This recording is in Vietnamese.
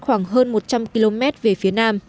khoảng hơn một trăm linh km về phía nam